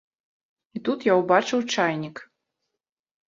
І тут я ўбачыў чайнік.